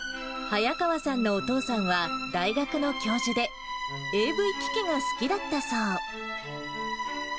はやかわさんのお父さんは、大学の教授で、ＡＶ機器が好きだったそう。